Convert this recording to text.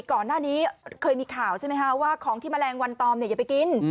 ก่อนหน้านี้เคยมีข่าวใช่ไหมคะว่าของที่แมลงวันตอมอย่าไปกิน